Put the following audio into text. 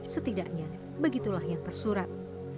setidaknya begitulah yang tersurat